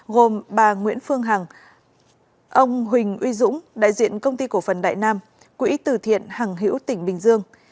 gồm bà nguyễn phương hằng ông huỳnh uy dũng đại diện công ty cổ phần đại nam quỹ tử thiện hằng hiễu tỉnh bình dương